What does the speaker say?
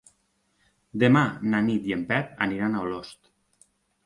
Demà na Nit i en Pep aniran a Olost.